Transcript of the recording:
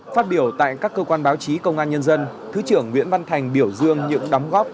phát biểu tại các cơ quan báo chí công an nhân dân thứ trưởng nguyễn văn thành biểu dương những đóng góp